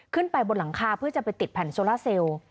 ขึ้นไปบนหลังคาเพื่อจะไปติดแผ่นโซล่าเซลล์